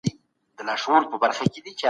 انګور خواږه دي.